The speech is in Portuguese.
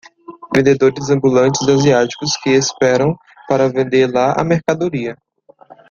vendedores ambulantes asiáticos que esperam para vender lá a mercadoria.